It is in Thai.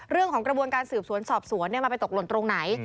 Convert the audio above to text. เรื่องของกระบวนการสืบสวนสอบสวนเนี่ยมาไปตกหล่นตรงไหน